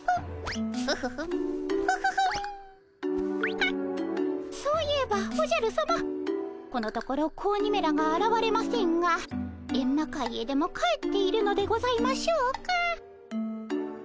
ハッそういえばおじゃるさまこのところ子鬼めらがあらわれませんがエンマ界へでも帰っているのでございましょうか。